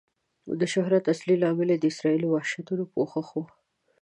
د شهرت اصلي لامل یې د اسرائیلو د وحشتونو پوښښ و.